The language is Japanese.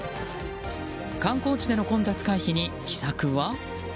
観光地での混雑回避に秘策は？